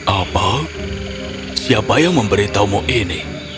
apa siapa yang memberitahumu ini